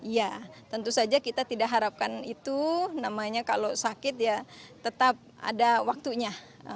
ya tentu saja kita tidak harapkan itu namanya kalau sakit ya tetap ada waktunya